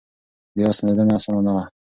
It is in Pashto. بیا ستنېدنه اسانه نه ده.